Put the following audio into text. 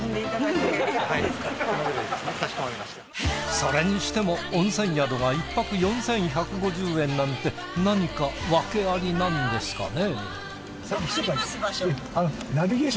それにしても温泉宿が１泊４，１５０円なんて何か訳ありなんですかね？